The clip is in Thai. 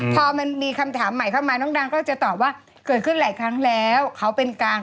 พอมันมีคำถามใหม่เข้ามาน้องดังก็จะตอบว่าเกิดขึ้นหลายครั้งแล้วเขาเป็นกลาง